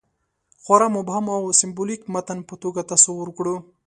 خورا مبهم او سېمبولیک متن په توګه تصور کړو.